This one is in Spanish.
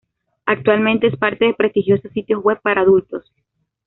Actualmente es parte de prestigiosos sitios web para adultos.